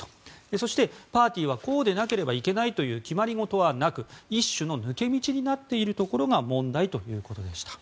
そして、パーティーはこうでなければいけないという決まり事はなく一種の抜け道になっているところが問題というところでした。